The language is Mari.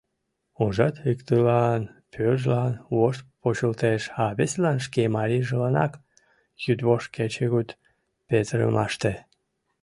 Ужат, иктылан, пӧржлан, вошт почылтеш, а весылан, шке марийжыланак, йӱдвошт-кечыгут петырымаште.